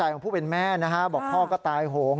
ของผู้เป็นแม่นะฮะบอกพ่อก็ตายโหง